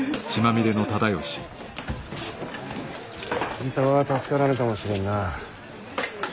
じい様は助からぬかもしれんな。